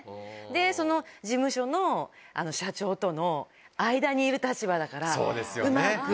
その事務所の社長との間にいる立場だから、うまく。